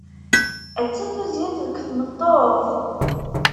Atta tuzyint deg tmeṭṭut!